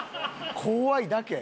怖いだけ。